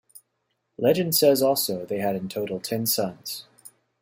Legend says also they had in total ten sons.